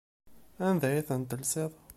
Anda ay ten-tellseḍ?